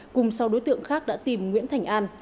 cùng sau đối tượng khác đã tìm nguyễn thành an